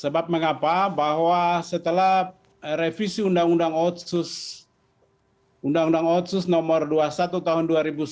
sebab mengapa bahwa setelah revisi undang undang otsus no dua puluh satu tahun dua ribu satu